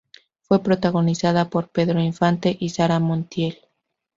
Fue protagonizada por Pedro Infante y Sara Montiel.